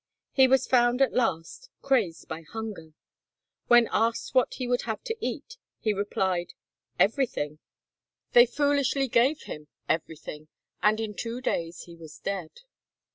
He was found at last, crazed by hunger. When asked what he would have to eat, he replied, "Everything." They foolishly gave him "everything," and in two days he was dead.